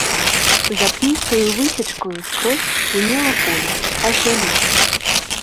За пністаю высечкаю скрозь сінела поле, аж да лесу.